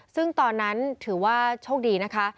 ซึ่งตอนนั้นถือว่าโชคดีนะคะ